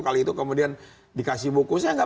kali itu kemudian dikasih buku saya nggak